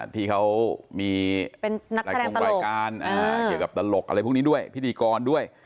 ที่เขามีเป็นนักแสดงตลกเกี่ยวกับตลกอะไรพวกนี้ด้วยพิธีกรด้วย